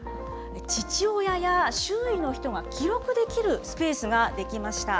父親や周囲の人が記録できるスペースが出来ました。